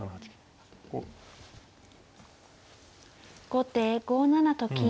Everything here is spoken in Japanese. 後手５七と金。